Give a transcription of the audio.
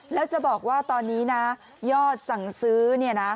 แล้วจะบอกว่าตอนนี้ยอดสั่งซื้อ